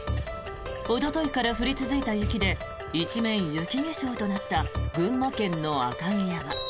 おとといから降り続いた雪で一面雪化粧となった群馬県の赤城山。